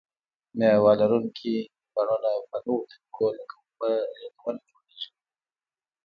مېوه لرونکي بڼونه په نویو طریقو لکه اوبه لګونه جوړیږي.